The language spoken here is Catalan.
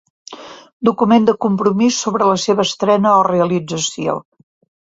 Document de compromís sobre la seva estrena o realització.